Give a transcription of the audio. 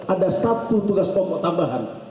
ada satu tugas pokok tambahan